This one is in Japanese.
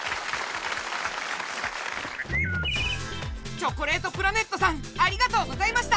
チョコレートプラネットさんありがとうございました！